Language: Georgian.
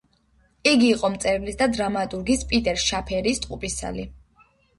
იგი იყო მწერლის და დრამატურგის პიტერ შაფერის ტყუპისცალი.